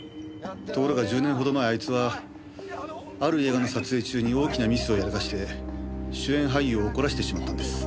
ところが１０年ほど前あいつはある映画の撮影中に大きなミスをやらかして主演俳優を怒らせてしまったんです。